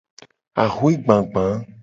Axwe gbagba.